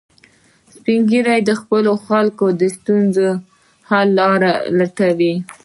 سپین ږیری د خپلو خلکو د ستونزو حل لارې لټوي